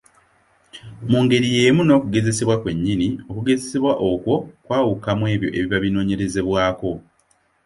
Mu ngeri y’emu n’okugezesebwa kwennyini, okugezesebwa okwo kwawuka mu ebyo ebiba binoonyerezebwako.